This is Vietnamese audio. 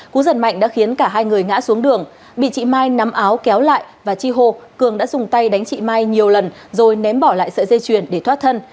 cú giật mạnh đã khiến cả hai người ngã xuống đường bị chị mai nắm áo kéo lại và chi hô cường đã dùng tay đánh chị mai nhiều lần rồi ném bỏ lại sợi dây chuyền để thoát thân